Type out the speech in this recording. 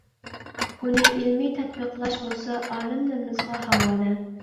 ئۇنى ئىلمىي تەتبىقلاش بولسا ئالىملىرىمىزغا ھاۋالە.